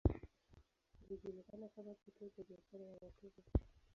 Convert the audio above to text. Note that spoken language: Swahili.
Ilijulikana kama kituo cha biashara ya watumwa.